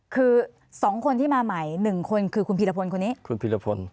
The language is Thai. คือ๒คนที่มาใหม่๑คือคุณผีตภหนคนนี้